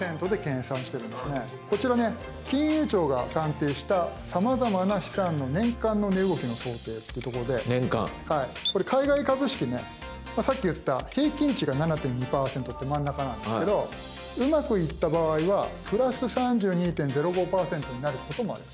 こちらね金融庁が算定した「さまざまな資産の年間の値動きの想定」っていうとこでこれ海外株式ねさっき言った平均値が７．２％って真ん中なんですけどうまくいった場合は「＋３２．０５％」になることもある。